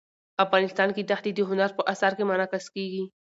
افغانستان کې دښتې د هنر په اثار کې منعکس کېږي.